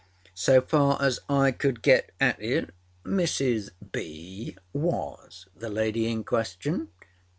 âSo far as I could get at it Mrs. B. was the lady in question.